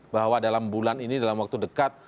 bahwa dalam bulan ini dalam waktu dekat